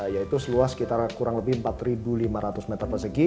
yaitu seluas sekitar kurang lebih empat lima ratus meter persegi